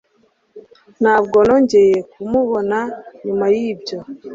Ntabwo nongeye kumubona nyuma yibyo.